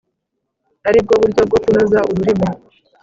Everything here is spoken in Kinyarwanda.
ari bwo buryo bwo kunoza ururimi,